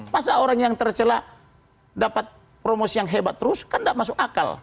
pas orang yang tercelak dapat promosi yang hebat terus kan nggak masuk akal